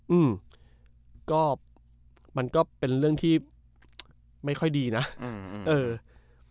อืมก็มันก็เป็นเรื่องที่ไม่ค่อยดีนะอืมเออ